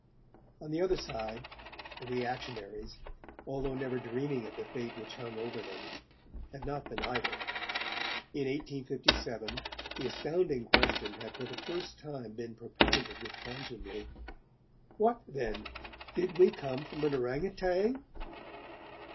On the other side, the reactionaries, although never dreaming of the fate which hung over them, had not been idle. In 1857 the astounding question had for the first time been propounded with contumely, 'What, then, did we come from an orang outang?'